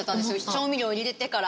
調味料入れてから。